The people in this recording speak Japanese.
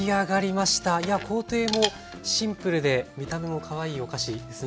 いや工程もシンプルで見た目もかわいいお菓子ですね。